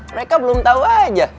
mereka belum tau aja